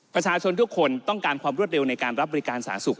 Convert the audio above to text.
ประชาชนทุกคนต้องการความรวดเร็วในการรับบริการสาธารณสุข